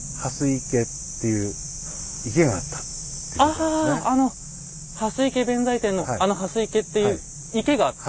ああの「蓮池弁財天」のあの「蓮池」っていう池があった？